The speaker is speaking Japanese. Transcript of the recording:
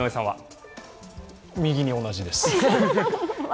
右に同じです。